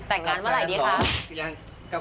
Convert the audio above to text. แต่งงานเมื่อไหร่ดีคะ